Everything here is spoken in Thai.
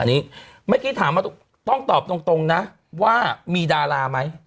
อันนี้เมื่อกี้ถามว่าต้องตอบตรงนะว่ามีดาราไหม